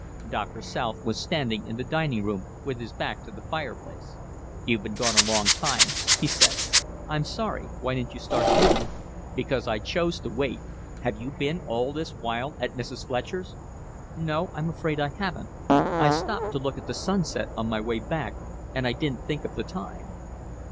Doctor South was standing in the dining room with his back to the fireplace. "You've been a long time," he said. "I'm sorry. Why didn't you start dinner?" "Because I chose to wait. Have you been all this while at Mrs. Fletcher's?" "No, I'm afraid I haven't. I stopped to look at the sunset on my way back, and I didn't think of the time."